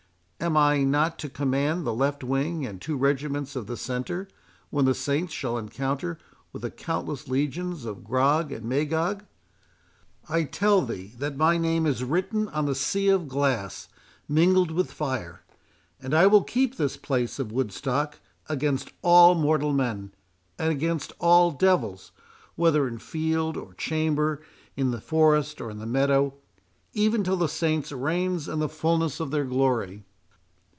Am I not to command the left wing, and two regiments of the centre, when the Saints shall encounter with the countless legions of Grog and Magog? I tell thee that my name is written on the sea of glass mingled with fire, and that I will keep this place of Woodstock against all mortal men, and against all devils, whether in field or chamber, in the forest or in the meadow, even till the Saints reign in the fulness of their glory."